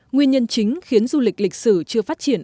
nguyên nhân chính khiến du lịch lịch sử chưa phát triển